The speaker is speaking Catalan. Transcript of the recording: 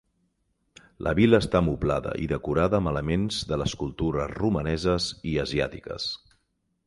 La vil·la està moblada i decorada amb elements de les cultures romaneses i asiàtiques.